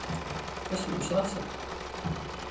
Kas Jūs esat?